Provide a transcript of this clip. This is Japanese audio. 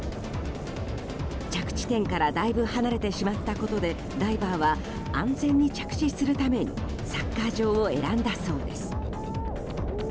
着地点からだいぶ離れてしまったことでダイバーは安全に着地するためにサッカー場を選んだそうです。